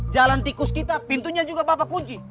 jalan tikus kita pintunya juga bapak kuji